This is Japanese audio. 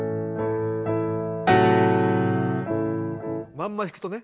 まんま弾くとね。